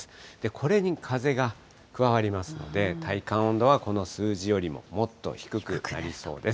これに風が加わりますので、体感温度はこの数字よりももっと低くなりそうです。